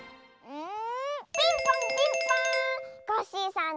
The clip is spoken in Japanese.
うん。